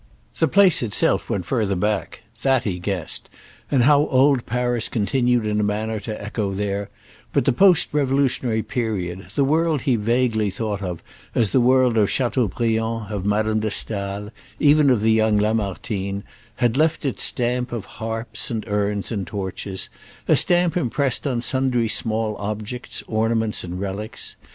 The place itself went further back—that he guessed, and how old Paris continued in a manner to echo there; but the post revolutionary period, the world he vaguely thought of as the world of Châteaubriand, of Madame de Staël, even of the young Lamartine, had left its stamp of harps and urns and torches, a stamp impressed on sundry small objects, ornaments and relics.